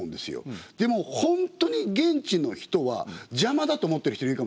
でも本当に現地の人は邪魔だと思ってる人いるかもしれない。